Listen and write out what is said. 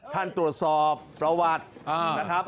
ท่านตรวจสอบประวัตินะครับ